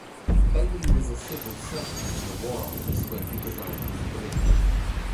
Bailey was a civil servant in the War Office when he designed his bridge.